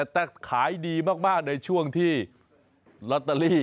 แต่ขายดีมากในช่วงที่ลอตเตอรี่